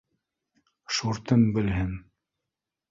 Шуртым белһен.